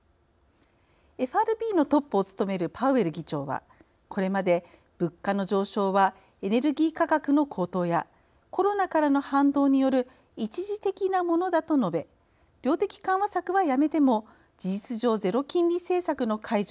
ＦＲＢのトップを務めるパウエル議長はこれまで物価の上昇はエネルギー価格の高騰やコロナからの反動による「一時的なものだ」と述べ量的緩和策はやめても事実上ゼロ金利政策の解除